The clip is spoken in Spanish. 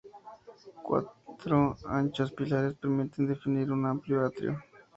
Cuatro anchos pilares permiten definir un amplio atrio.